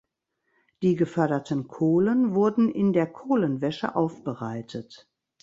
Die geförderten Kohlen wurden in der Kohlenwäsche aufbereitet.